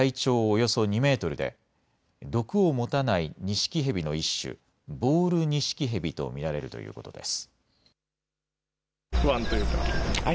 およそ２メートルで毒を持たないニシキヘビの一種、ボールニシキヘビと見られるということです。